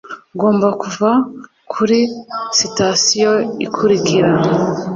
ugomba kuva kuri sitasiyo ikurikira